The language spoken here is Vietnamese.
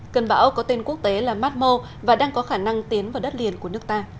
cơn bão có tên quốc tế là matmo và đang có khả năng tiến vào đất liền của nước ta